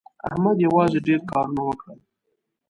احمد یوازې ډېر کارونه وکړل.